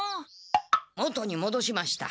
元にもどしました。